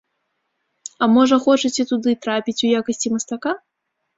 А можа, хочаце туды трапіць у якасці мастака?